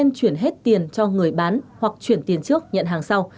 không nên chuyển hết tiền cho người bán hoặc chuyển tiền trước nhận hàng sau